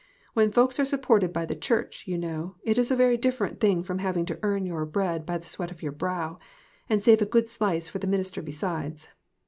When folks are supported by the church, you know, it is a very different thing from having to earn your bread by the sweat of your brow, and save a good slice for the minister besides.